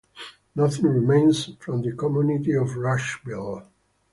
Nothing remains from the community of Rushville.